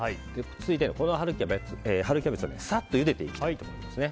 次に春キャベツをサッとゆでていきたいと思います。